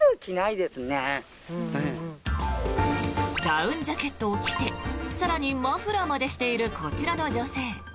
ダウンジャケットを着て更にマフラーまでしているこちらの女性。